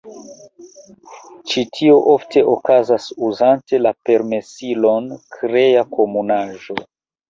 Ĉi tio ofte okazas uzante la permesilon Krea Komunaĵo.